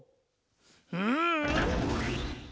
うん！